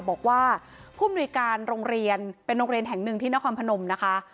บอกว่าผู้มนุยการโรงเรียนเป็นโรงเรียนแห่งหนึ่งที่นครพนมนะคะ